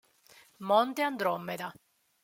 Monte Andromeda